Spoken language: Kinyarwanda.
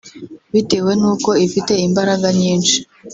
Bitewe n’uko ifite imbaraga nyinshi